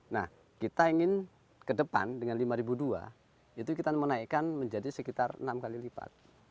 nah kita ingin ke depan dengan lima ribu dua itu kita menaikkan menjadi sekitar enam kali lipat